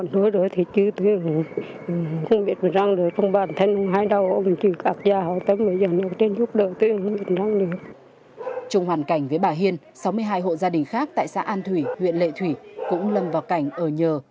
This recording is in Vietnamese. trong hoàn cảnh với bà hiên sáu mươi hai hộ gia đình khác tại xã an thủy huyện lệ thủy cũng lâm vào cảnh ở nhờ